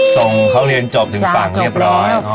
ส่งเขาเรียนจบถึงฝั่งเรียบร้อย